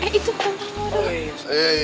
eh itu rantangnya dong